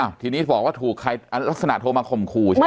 ทีนี้บอกว่าถูกใครลักษณะโทรมาข่มขู่ใช่ไหม